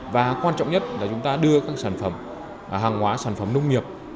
và quan trọng nhất là chúng ta đưa các sản phẩm hàng hóa sản phẩm nông nghiệp